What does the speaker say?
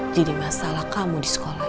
jadi masalah kamu di sekolah